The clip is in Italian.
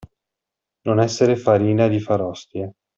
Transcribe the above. Non esser farina di far ostie.